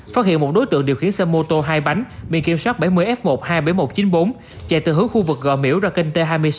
phát hiện một đối tượng điều khiến xe mô tô hai bánh miền kiểm soát bảy mươi f một trăm hai mươi bảy nghìn một trăm chín mươi bốn chạy từ hướng khu vực gò miểu ra kênh t hai mươi sáu